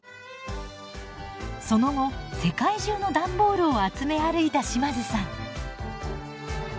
その後世界中の段ボールを集め歩いた島津さん。